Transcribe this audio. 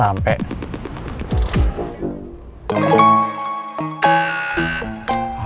aku mau pergi ke rumah